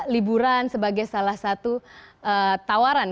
liburan sebagai salah satu tawaran